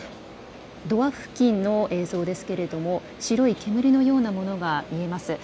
ドア付近の映像ですが白い煙のようなものが見えます。